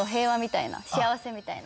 みたいな。